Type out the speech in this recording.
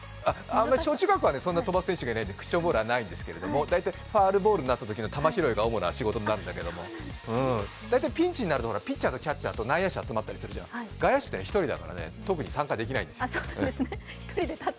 小中学校はそんなに飛ばす選手がいないのでクッションボールはないんですけど、大体ファウルボールになったときの球拾いが主な役になるんだけど大体ピンチになるとピッチャー、キャッチャー、内野手が集まるんだけど外野手っていうのは１人なので特に参加できないんですよ。